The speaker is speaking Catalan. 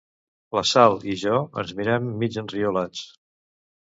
La Sal i jo ens mirem, mig enriolats.